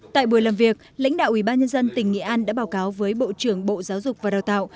tại buổi làm việc lãnh đạo ủy ban nhân dân tỉnh nghệ an đã báo cáo với bộ trưởng bộ giáo dục và đào tạo